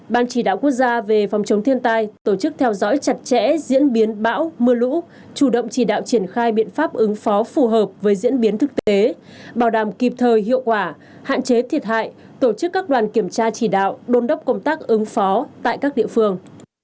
ban chỉ đạo quốc gia về phòng chống thiên tai tổ chức theo dõi chặt chẽ diễn biến bão mưa lũ chủ động chỉ đạo triển khai biện pháp ứng phó phù hợp với diễn biến thực tế bảo đảm kịp thời hiệu quả hạn chế thiệt hại tổ chức các đoàn kiểm tra chỉ đạo đôn đốc công tác ứng phó tại các địa phương